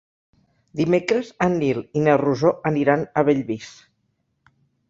Dimecres en Nil i na Rosó aniran a Bellvís.